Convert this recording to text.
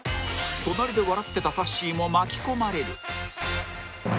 隣で笑ってたさっしーも巻き込まれる